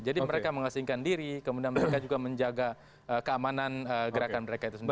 jadi mereka mengasingkan diri kemudian mereka juga menjaga keamanan gerakan mereka itu sendiri